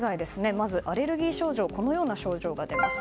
まずアレルギー症状はこのような症状が出ます。